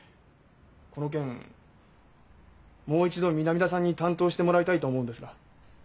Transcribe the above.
この件もう一度南田さんに担当してもらいたいと思うんですが。